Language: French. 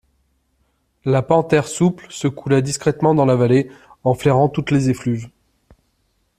La panthère souple se coulait discrètement dans la vallée en flairant toutes les effluves.